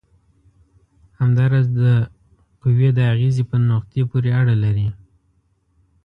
همدا راز د قوې د اغیزې په نقطې پورې اړه لري.